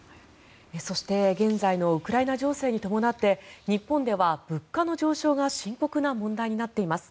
そして現在のウクライナ情勢に伴って日本では物価の上昇が深刻な問題になっています。